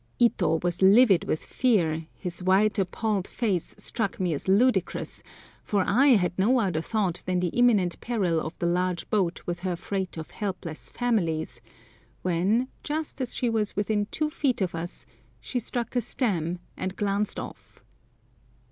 Ito was livid with fear; his white, appalled face struck me as ludicrous, for I had no other thought than the imminent peril of the large boat with her freight of helpless families, when, just as she was within two feet of us, she struck a stem and glanced off.